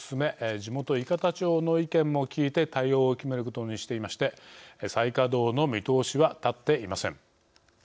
地元、伊方町の意見もきいて対応を決めることにしていまして再稼働の見通しは立っていません。